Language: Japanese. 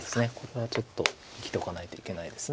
これはちょっと生きておかないといけないです。